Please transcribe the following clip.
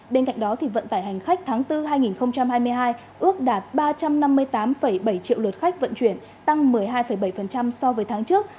bên cạnh đó vận tải hành khách tháng bốn hai nghìn hai mươi hai ước đạt ba trăm năm mươi tám bảy triệu lượt khách vận chuyển tăng một mươi hai bảy so với tháng trước